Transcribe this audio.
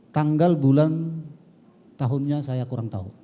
tanggal bulan tahunnya saya kurang tahu